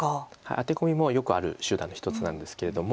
アテコミもよくある手段の一つなんですけれども。